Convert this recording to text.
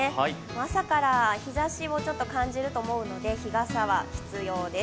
朝から日ざしをちょっと感じると思うので、日傘は必要です。